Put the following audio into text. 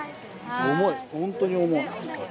重い、本当に重い。